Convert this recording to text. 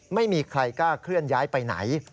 ไม่มีใครกล้าเคลื่อนย้ายไปไหน